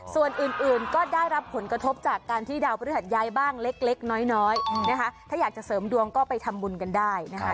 ส่วนอื่นก็ได้รับผลกระทบจากการที่ดาวพฤหัสย้ายบ้างเล็กน้อยนะคะถ้าอยากจะเสริมดวงก็ไปทำบุญกันได้นะคะ